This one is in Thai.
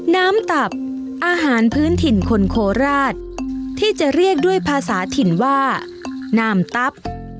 ตับอาหารพื้นถิ่นคนโคราชที่จะเรียกด้วยภาษาถิ่นว่านามตับ